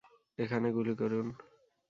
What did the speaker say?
এখানে গুলি করুন!